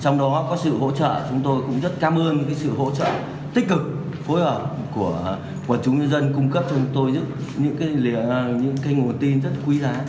trong đó có sự hỗ trợ chúng tôi cũng rất cảm ơn sự hỗ trợ tích cực phối hợp của quần chúng nhân dân cung cấp cho chúng tôi những nguồn tin rất quý giá